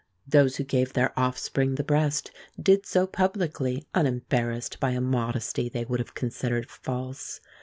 Those who gave their offspring the breast did so publicly, unembarrassed by a modesty they would have considered false.